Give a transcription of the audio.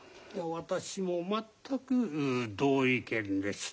私も全く同意見です。